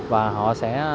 và họ sẽ